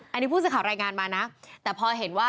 อันนี้ผู้สินข่าวรายงานมานะ